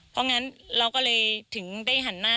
เพราะงั้นเราก็เลยถึงได้หันหน้า